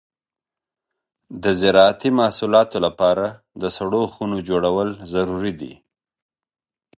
د زراعتي محصولاتو لپاره د سړو خونو جوړول ضروري دي.